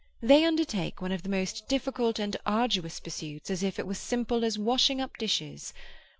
They undertake one of the most difficult and arduous pursuits as if it were as simple as washing up dishes.